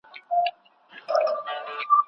دا ورانه کډه به دي کوم وطن ته وړم درسره